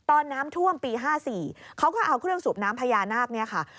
ตอนน้ำท่วมปี๕๔เขาก็เอาเครื่องสูบน้ำพญานาคเนี่ยค่ะ